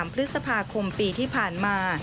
พฤษภาคมปีที่ผ่านมา